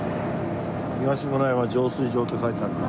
「東村山浄水場」って書いてあるから。